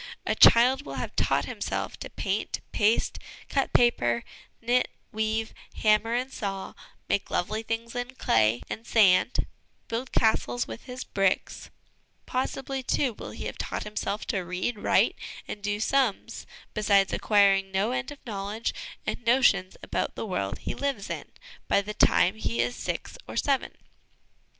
A child will have taught himself to paint, paste, cut paper, knit, weave, hammer and saw, make lovely things in clay and sand, build castles with his bricks ; possibly, too, will have taught himself to read, write, and do sums, besides acquiring no end of knowledge and notions about the world he lives in, by the time he is six or seven.